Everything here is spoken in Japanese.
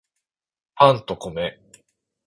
パンと米